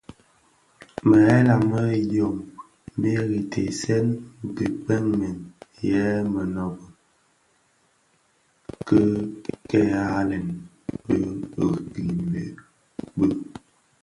Meghela mě zi idyom meri teesèn dhikpegmen yè menőbökin kè ghaghalen birimbi bhëñ,